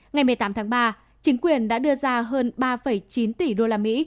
ngày một mươi tám tháng ba chính quyền đã đưa ra hơn ba chín tỷ đô la mỹ